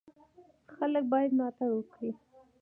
خلک باید ملاتړ وکړي.